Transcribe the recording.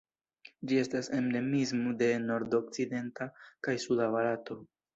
Ĝi estas endemismo de nordokcidenta kaj suda Barato.